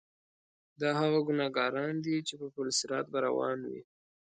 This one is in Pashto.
دا هغه ګناګاران دي چې پر پل صراط به روان وي.